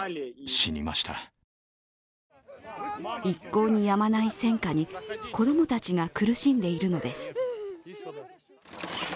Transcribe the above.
一向にやまない戦火に子供たちが苦しんでいるのです。